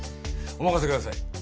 お任せください。